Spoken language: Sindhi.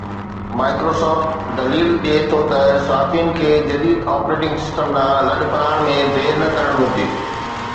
Microsoft دليل ڏئي ٿو ته صارفين کي جديد آپريٽنگ سسٽم ڏانهن لڏپلاڻ ۾ دير نه ڪرڻ گهرجي